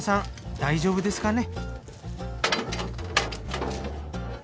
大丈夫ですかね？